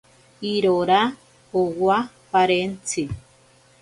Irora owa parentzi.